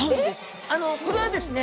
あのこれはですね